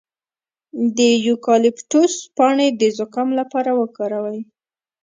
د یوکالیپټوس پاڼې د زکام لپاره وکاروئ